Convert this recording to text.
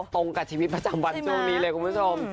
ตรงกับชีวิตประจำวันช่วงนี้เลยคุณผู้ชม